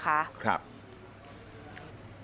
ครับ